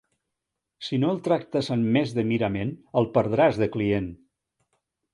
Si no el tractes amb més de mirament el perdràs de client.